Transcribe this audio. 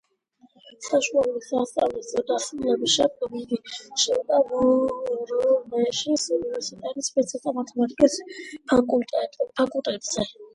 საშუალო სასწავლებლის დასრულების შემდგომ იგი შევიდა ვორონეჟის უნივერსიტეტის ფიზიკა-მათემატიკის ფაკულტეტზე.